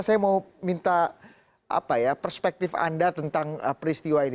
saya mau minta perspektif anda tentang peristiwa ini